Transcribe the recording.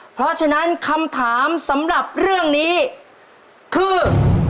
เพราะฉะนั้นคำถามสำหรับเรื่องนี้คือ